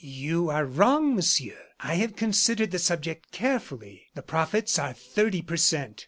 "You are wrong, Monsieur. I have considered the subject carefully; the profits are thirty per cent.